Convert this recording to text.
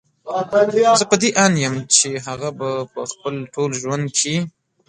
زه په دې اند يم چې هغه به په خپل ټول ژوند کې